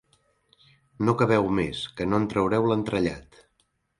No caveu més, que no en traureu l'entrellat.